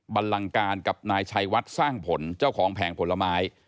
ลังการกับนายชัยวัดสร้างผลเจ้าของแผงผลไม้